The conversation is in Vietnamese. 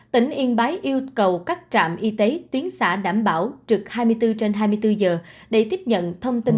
tỉnh yên bái yêu cầu các trạm y tế tuyến xã đảm bảo trực hai mươi bốn trên hai mươi bốn giờ để tiếp nhận thông tin